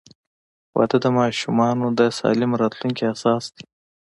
• واده د ماشومانو د سالم راتلونکي اساس دی.